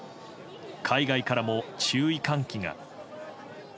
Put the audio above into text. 海外からも注意喚起が。